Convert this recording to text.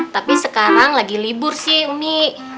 tapi sekarang lagi libur sih umi